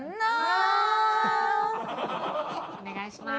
お願いします。